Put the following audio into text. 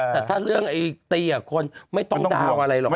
แต่ถ้าเรื่องไอ้ตีกับคนไม่ต้องดาวน์อะไรหรอก